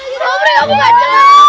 jom rika buka jalan